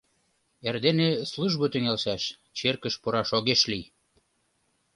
Эрдене службо тӱҥалшаш — черкыш пураш огеш лий.